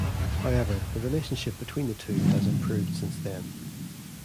However, the relationship between the two has improved since then.